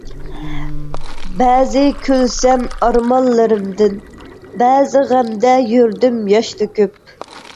بەزى كۈلسەم ئارمانلىرىمدىن، بەزى غەمدە يۈردۈم ياش تۆكۈپ.